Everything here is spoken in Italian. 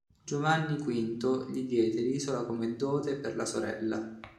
Giovanni V gli diede l'isola come dote per la sorella.